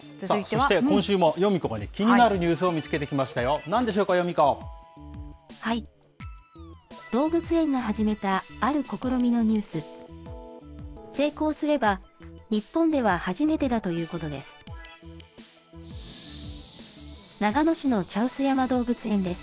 はい、動物園が始めたある試みのニュース、成功すれば日本では初めてだということです。